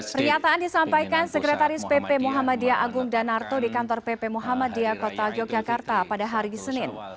pernyataan disampaikan sekretaris pp muhammadiyah agung danarto di kantor pp muhammadiyah kota yogyakarta pada hari senin